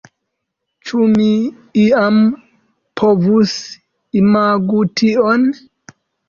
Ĉu mi iam povus imagi tion?